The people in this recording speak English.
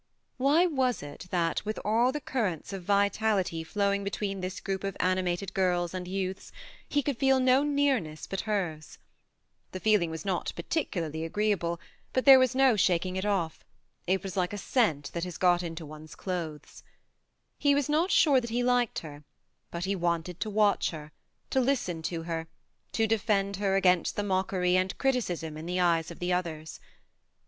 Why was it that, with all the currents of vitality flowing between this group of animated girls and youths, he could feel no nearness but hers ? The feeling was not particularly agree able, but there was no shaking it off: it was like a scent that has got into one's clothes. He was not sure that he liked her, but he wanted to watch her, to listen to her, to defend her against the mockery and criticism in the eyes of the others.